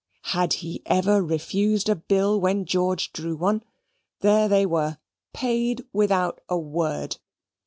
Had he ever refused a bill when George drew one? There they were paid without a word.